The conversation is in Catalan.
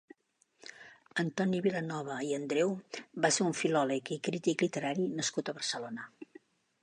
Antoni Vilanova i Andreu va ser un filòleg i crític literari nascut a Barcelona.